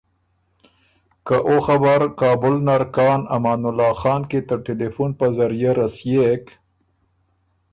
که او خبر کابل نر کان امان الله خان کی ته ټېلیفون په ذریعۀ رسيېک